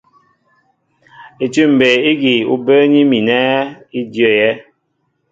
Itʉ̂m mbey ígi ú bə́ə́ní mi nɛ í ndyə́yɛ́.